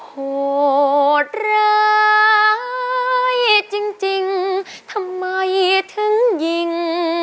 โหดร้ายจริงทำไมถึงยิง